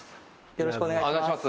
よろしくお願いします。